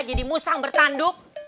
jadi musang bertanduk